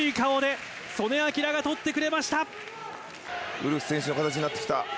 ウルフ選手の形になってきた。